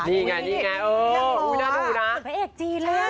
นี่ไงนี่ไงเออน่าดูน่ะสุดแปดเอสจีนเลยอ่ะ